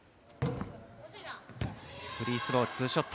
フリースロー、２ショット。